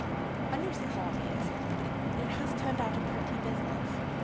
A noose it hardly is, but it has turned out a pretty business.